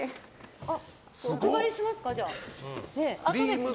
お配りしますか。